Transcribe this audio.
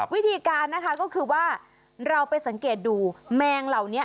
วิธีการนะคะก็คือว่าเราไปสังเกตดูแมงเหล่านี้